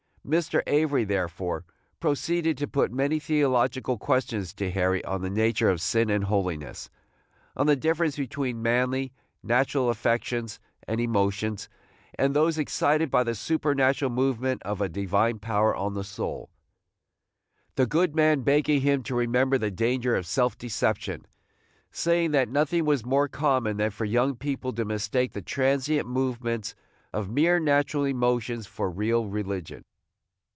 Mr. Avery, therefore, proceeded to put many theological questions to Harry on the nature of sin and holiness, on the difference between manly, natural affections and emotions, and those excited by the supernatural movement of a divine power on the soul, – the good man begging him to remember the danger of self deception, saying that nothing was more common than for young people to mistake the transient movements of mere natural emotions for real religion.